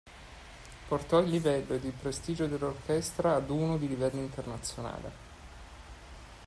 Portò il livello ed il prestigio dell'orchestra ad uno di livello internazionale.